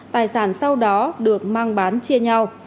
tài sản sau đó được mang bán chia nhau